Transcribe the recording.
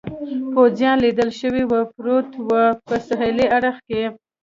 پوځیان لیدل شوي و، پروت و، په سهېلي اړخ کې.